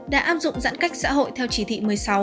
đã áp dụng giãn cách xã hội theo chỉ thị một mươi sáu